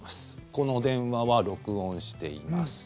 この電話は録音しています。